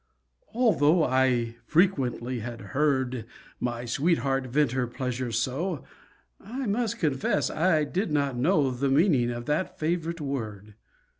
Although I frequently had heard My sweetheart vent her pleasure so, I must confess I did not know The meaning of that favorite word.